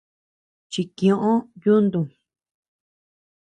Chikiö yuntum.